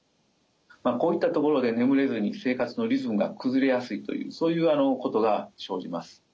こういったところで眠れずに生活のリズムが崩れやすいというそういうことが生じます。